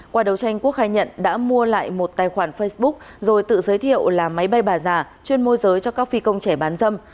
qua đấu tranh quốc khai nhận đã mua lại một tài khoản facebook rồi tự giới thiệu là máy bay bà giả chuyên môi giới cho các phi công trẻ bán dâm